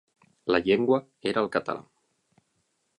La llengua era el català.